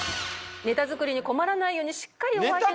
ネタ作りに困らないようにしっかりお相手の。